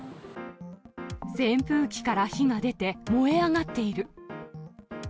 扇風機から火が出て、燃え上がっている。